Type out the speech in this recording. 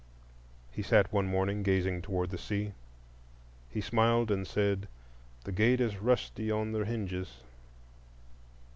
He sat one morning gazing toward the sea. He smiled and said, "The gate is rusty on the hinges."